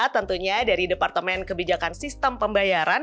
tentunya dari departemen kebijakan sistem pembayaran